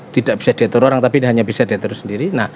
tidak bisa diatur orang tapi hanya bisa diatur sendiri